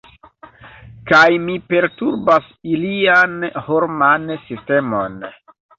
Kaj mi perturbas ilian hormonan sistemon.